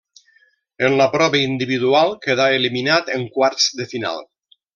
En la prova individual quedà eliminat en quarts de final.